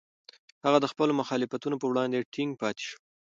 هغه د خپلو مخالفتونو په وړاندې ټینګ پاتې شو.